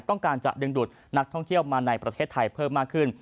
ต้องการจะดึงดูดนักท่องเที่ยวมาในประเทศไทยเพิ่มมากขึ้น